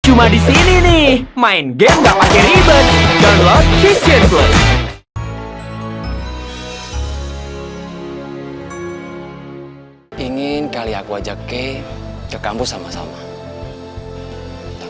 cuma di sini nih main game gak pake ribet